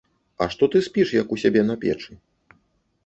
А што ты спіш, як у сябе на печы?